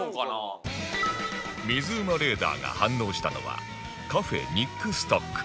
水うまレーダーが反応したのはカフェニックストック